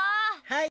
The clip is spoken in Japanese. はい！